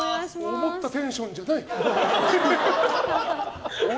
思ったテンションじゃない。